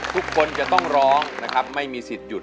ทุกคนจะต้องร้องนะครับไม่มีสิทธิ์หยุด